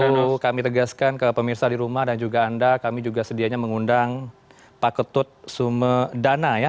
perlu kami tegaskan ke pemirsa di rumah dan juga anda kami juga sedianya mengundang pak ketut sumedana ya